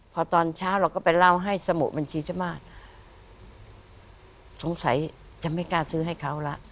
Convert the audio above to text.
พอตอนเช้าเราก็ไปเล่าให้สมุดบัญชีชาวบ้านสงสัยจะไม่กล้าซื้อให้เขาละ